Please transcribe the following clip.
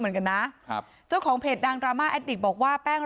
เหมือนกันนะครับเจ้าของเพจดังดราม่าแอดดิกบอกว่าแป้ง